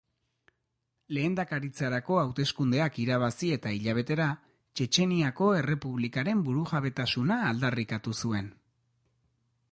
Lehendakaritzarako hauteskundeak irabazi eta hilabetera, Txetxeniako Errepublikaren burujabetasuna aldarrikatu zuen.